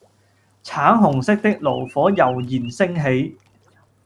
橙紅色的爐火悠然升起